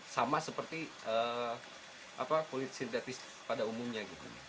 sama seperti kulit sintetis pada umumnya